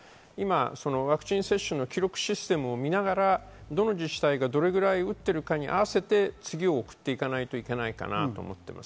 ワクチン接種の記録システムを見ながらどこの自治体がどれだけ打っているかに合わせて次を送っていかないといけないかなと思っています。